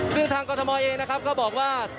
ซึ่งทางกรทมเองนะครับก็บอกว่า